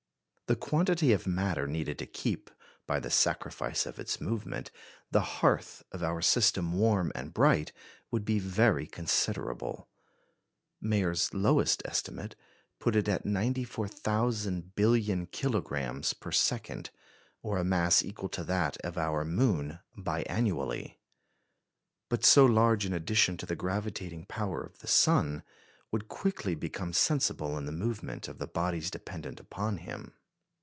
The quantity of matter needed to keep, by the sacrifice of its movement, the hearth of our system warm and bright would be very considerable. Mayer's lowest estimate put it at 94,000 billion kilogrammes per second, or a mass equal to that of our moon bi annually. But so large an addition to the gravitating power of the sun would quickly become sensible in the movement of the bodies dependent upon him.